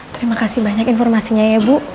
terima kasih banyak informasinya ya bu